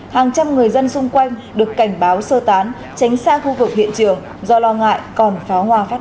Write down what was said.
hàng trăm người dân xung quanh được cảnh báo sơ tán tránh xa khu vực hiện trường do lo ngại còn pháo hoa phát nổ